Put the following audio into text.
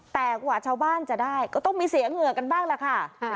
แต่กว่าชาวบ้านจะได้ก็ต้องมีเสียเหงื่อกันบ้างล่ะค่ะ